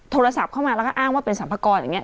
โทรศัพท์เข้ามาแล้วก็อ้างว่าเป็นสรรพากรอย่างนี้